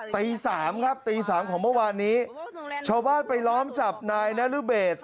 ตีสามครับตีสามของเมื่อวานนี้ชาวบ้านไปล้อมจับนายนรเบศ